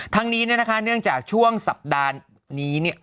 ทั้งนี้เนื่องจากช่วงสัปดาห์นี้